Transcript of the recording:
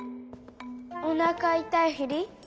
おなかいたいふり？